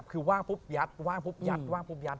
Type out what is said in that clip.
คือว่างปุ๊บยัดว่างปุ๊บยัดว่างปุ๊บยัด